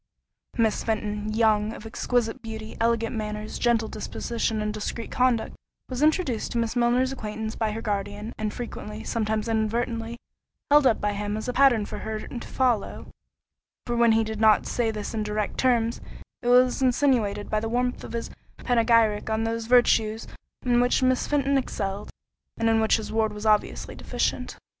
Miss Fenton, young, of exquisite beauty, elegant manners, gentle disposition, and discreet conduct, was introduced to Miss Milner's acquaintance by her guardian, and frequently, sometimes inadvertently, held up by him as a pattern for her to follow—for when he did not say this in direct terms, it was insinuated by the warmth of his panegyric on those virtues in which Miss Fenton excelled, and in which his ward was obviously deficient.